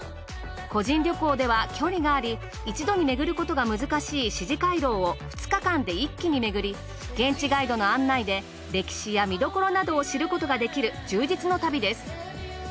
個人旅行では距離があり一度に巡ることが難しい四寺廻廊を２日間で一気に巡り現地ガイドの案内で歴史や見どころなどを知ることが出来る充実の旅です。